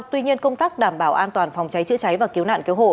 tuy nhiên công tác đảm bảo an toàn phòng cháy chữa cháy và cứu nạn cứu hộ